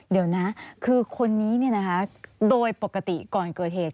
เดี๋ยวนะคือคนนี้นะฮะติดต่อก่อนเกิดเหตุ